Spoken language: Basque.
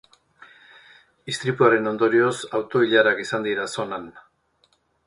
Istripuaren ondorioz, auto-ilarak izan dira zonan.